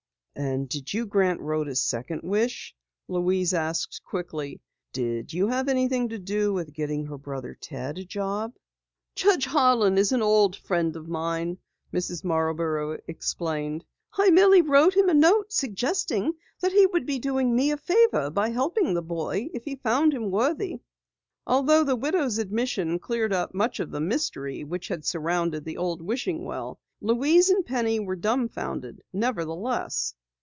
"And did you grant Rhoda's second wish?" Louise asked quickly. "Did you have anything to do with getting her brother, Ted, a job?" "Judge Harlan is an old friend of mine," Mrs. Marborough explained. "I merely wrote him a note suggesting that he would do me a favor by helping the boy if he found him worthy." Although the widow's admission cleared up much of the mystery which had surrounded the old wishing well, Louise and Penny were dumbfounded, nevertheless.